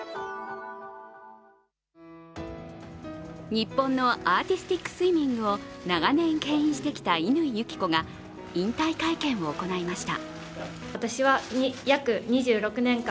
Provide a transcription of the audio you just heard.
日本のアーティスティックスイミングを長年けん引してきた乾友紀子が引退会見を行いました。